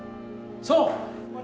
そう。